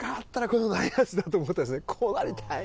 「こうなりたい！」